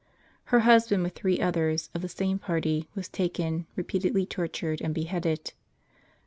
Her husband, with three others of the same party, was taken, repeatedly tortured, and beheaded.